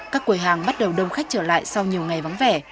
các quầy hàng bắt đầu đông khách trở lại sau nhiều ngày vắng vẻ